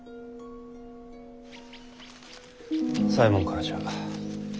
左衛門からじゃ。